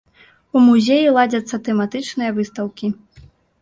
У музеі ладзяцца тэматычныя выстаўкі.